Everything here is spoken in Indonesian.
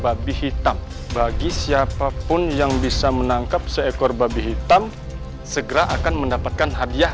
babi hitam bagi siapapun yang bisa menangkap seekor babi hitam segera akan mendapatkan hadiah